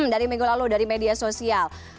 dari minggu lalu dari media sosial